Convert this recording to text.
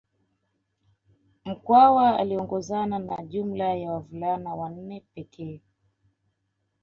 Mkwawa aliongozana na jumla ya wavulana wanne pekee